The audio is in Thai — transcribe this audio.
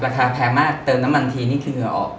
แพงมากเติมน้ำมันทีนี่คือเหงื่อออก